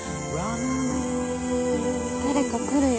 誰か来るよ。